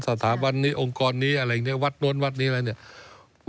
สถาบันนี้องค์กรนี้อะไรอย่างนี้วัดโน้นวัดนี้อะไรเนี่ย